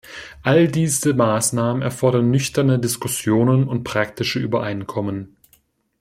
All diese Maßnahmen erfordern nüchterne Diskussionen und praktische Übereinkommen.